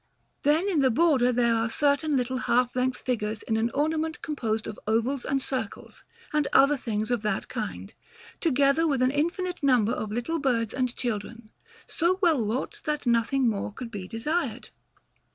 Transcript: Then in the border there are certain little half length figures in an ornament composed of ovals and circles, and other things of that kind, together with an infinite number of little birds and children, so well wrought that nothing more could be desired.